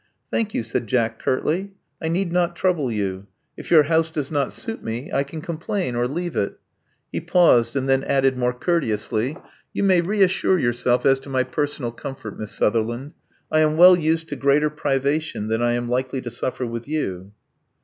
"Thank you," said Jack curtly, I need not trouble you. If your house does not suit me, I can complain, or leave it." He paused, and then added more courteously, You may reassure yourself as to my personal comfort. Miss Sutherland. I am well used to greater privation than I am likely to suffer with you."